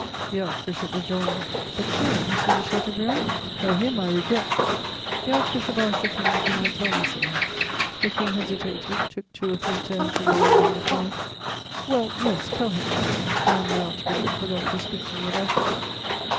The Archbishop rejoined: "But, Sire, M. de Chateaubriand?" "Oh, him I regret!" [Sidenote: Coronation of Charles X.] The Archbishop asked the King if he might tell me so; the King hesitated, took two or three turns in the room, and replied, "Well, yes, tell him," and the Archbishop forgot to speak to me about it.